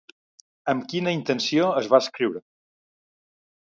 Amb quina intenció es va escriure?